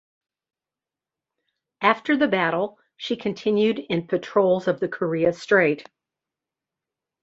After the battle, she continued in patrols of the Korea Strait.